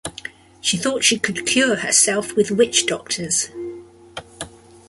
She thought she could cure herself with witch doctors.